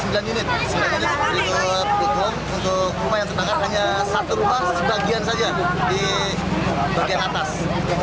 sembilan unit untuk rumah yang sedangkan hanya satu rumah sebagian saja di bagian atas